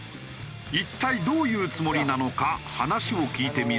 一体どういうつもりなのか。